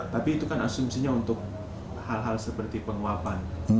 tapi itu kan asumsinya untuk hal hal seperti penguapan